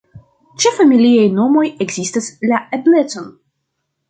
Ĉe familiaj nomoj ekzistas la eblecon.